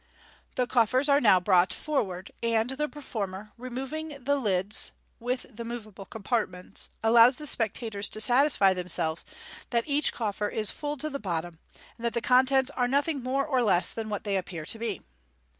The coffers are now brought forward, and the performer, removing the l'ds (with the moveable compartments), allows the spectators to satisfy themselves that each coffer is full to the bottom, and that the contents are nothing more or less than what they appear to be.